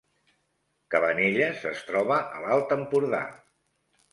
Cabanelles es troba a l’Alt Empordà